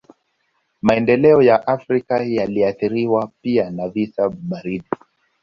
Maendeleo ya Afrika yaliathiriwa pia na vita baridi